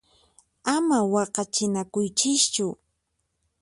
Ama waqachinakuychischu!